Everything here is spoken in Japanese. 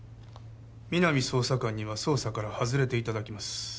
皆実捜査官には捜査から外れていただきます